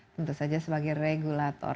tentu saja sebagai regulator